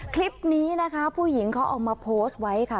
คลิปนี้นะคะผู้หญิงเขาเอามาโพสต์ไว้ค่ะ